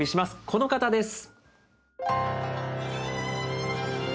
この方です。